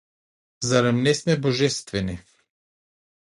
Зарем не сме божествени?